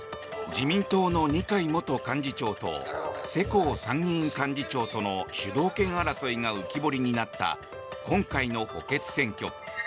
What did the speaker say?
自民党の二階元幹事長と世耕参院幹事長との主導権争いが浮き彫りになった今回の補欠選挙。